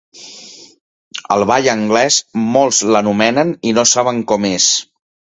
El ball anglès, molts l'anomenen i no saben com és.